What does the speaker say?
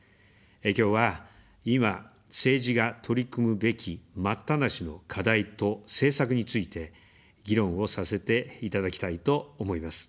きょうは、今、政治が取り組むべき待ったなしの課題と政策について、議論をさせていただきたいと思います。